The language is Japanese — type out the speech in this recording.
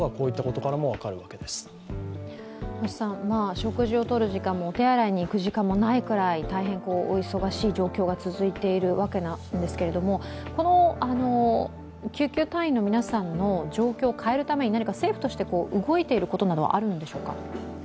食事をとる時間もお手洗いに行く時間もないくらい大変お忙しい状況が続いているわけなんですけども救急隊員の皆さんの状況を変えるために、何か政府として動いていることなどあるんでしょうか。